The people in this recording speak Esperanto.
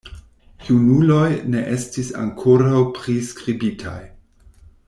Junuloj ne estis ankoraŭ priskribitaj.